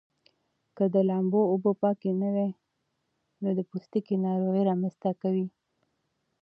که د لامبو اوبه پاکې نه وي نو د پوستکي ناروغۍ رامنځته کوي.